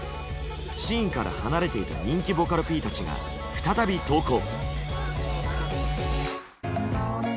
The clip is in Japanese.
シーンから離れていた人気ボカロＰたちが再び投稿。